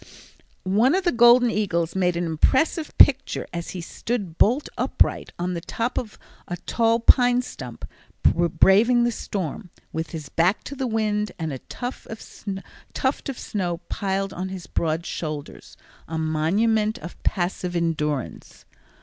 One of the golden eagles made an impressive picture as he stood bolt upright on the top of a tall pine stump, braving the storm, with his back to the wind and a tuft of snow piled on his broad shoulders, a monument of passive endurance.